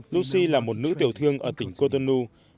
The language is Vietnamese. lucy là một nữ tiểu thương ở tỉnh cotonou